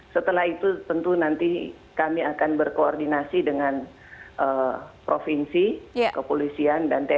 setelah itu tentu nanti kami akan berkoordinasi dengan provinsi kepolisian dan tni